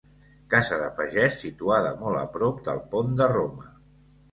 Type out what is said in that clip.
Casa de pagès situada molt a prop del pont de Roma.